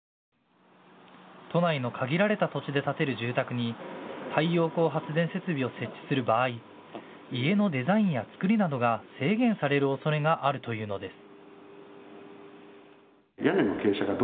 都内の限られた土地で建てる住宅に太陽光発電設備を設置する場合、家のデザインやつくりなどが制限されるおそれがあるというのです。